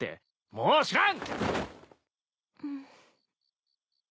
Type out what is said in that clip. もう知らん！